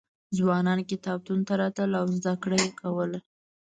ځوانان کتابتون ته راتلل او زده کړه یې کوله.